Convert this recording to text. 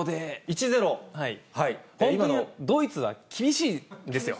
本当にドイツは厳しいですよ。